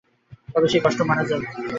তবে সেই কষ্ট মানা যায়।